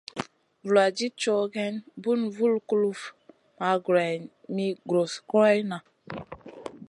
Vuladid cow geyn, bun vul kuluf ma greyn mi gros goroyna.